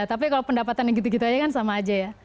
tapi kalau pendapatan gitu gitu aja kan sama aja